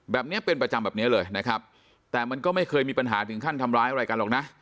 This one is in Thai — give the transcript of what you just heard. แบบนี้เป็นประจำแบบนี้เลยนะครับแต่มันก็ไม่เคยมีปัญหาถึงขั้นทำร้ายอะไรกันหรอกนะ